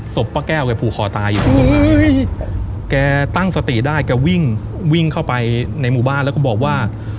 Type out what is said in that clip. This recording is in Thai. ศพป้าแก้วแกผูคอตายอยู่ตรงนั้นนะครับแกตั้งสติได้แกวิ่งเข้าไปในหมู่บ้านแล้วก็บอกว่า